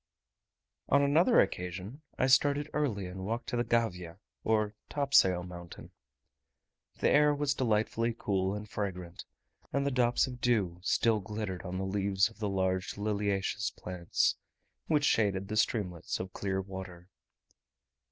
On another occasion I started early and walked to the Gavia, or topsail mountain. The air was delightfully cool and fragrant; and the drops of dew still glittered on the leaves of the large liliaceous plants, which shaded the streamlets of clear water.